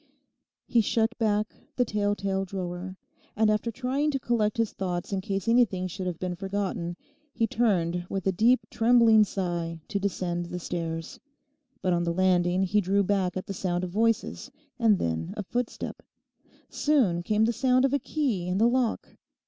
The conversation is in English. He shut back the tell tale drawer, and after trying to collect his thoughts in case anything should have been forgotten, he turned with a deep trembling sigh to descend the stairs. But on the landing he drew back at the sound of voices, and then a footstep. Soon came the sound of a key in the lock.